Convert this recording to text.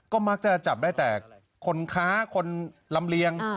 ก็มักจะจับได้แต่คนค้าคนลำเลียง